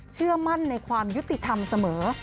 เชื่อมั่นในความยุติธรรมเสมอ